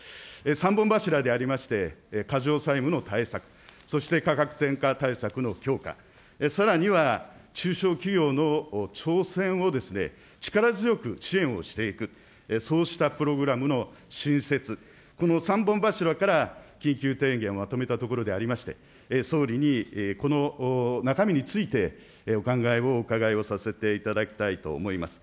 ３本柱でありまして、過剰債務の対策、そして価格転嫁対策の強化、さらには中小企業の挑戦を力強く支援をしていく、そうしたプログラムの新設、この３本柱から緊急提言をまとめたところでありまして、総理にこの中身について、お考えをお伺いをさせていただきたいと思います。